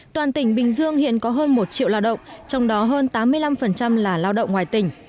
toàn tỉnh bình dương hiện có hơn một triệu lao động trong đó hơn tám mươi năm là lao động ngoài tỉnh